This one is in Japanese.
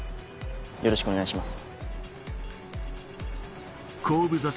よろしくお願いします。